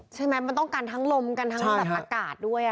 ใช่ไหมมันต้องกันทั้งลมกันทั้งแบบอากาศด้วย